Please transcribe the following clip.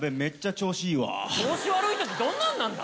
調子悪いときどんなんなんだ？